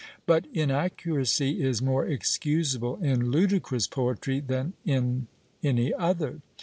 But inaccuracy is more excusable in ludicrous poetry than in any other.